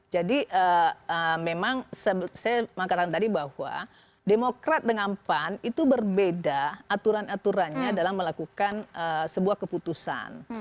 jadi memang saya mengatakan tadi bahwa demokrat dengan pan itu berbeda aturan aturannya dalam melakukan sebuah keputusan